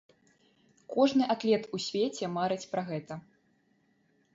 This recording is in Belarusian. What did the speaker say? Кожны атлет у свеце марыць пра гэта.